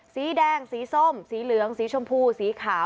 สีแดงสีส้มสีเหลืองสีชมพูสีขาว